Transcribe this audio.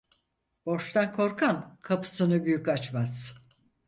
Borçtan korkan kapısını büyük açmaz.